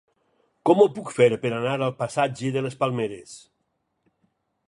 Com ho puc fer per anar al passatge de les Palmeres?